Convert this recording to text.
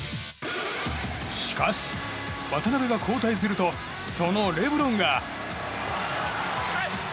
しかし、渡邊が交代するとそのレブロンが。